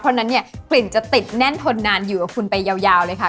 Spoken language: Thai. เพราะฉะนั้นเนี่ยกลิ่นจะติดแน่นทนนานอยู่กับคุณไปยาวเลยค่ะ